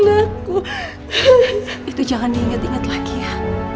aku gak akan maafin mereka